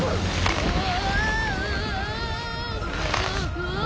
うわ！